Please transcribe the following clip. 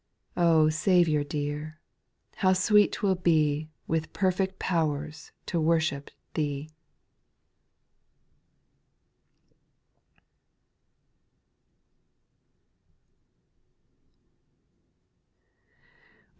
Oh, Saviour dear ! how sweet 't will be With perfect pow'rs to worship Thee.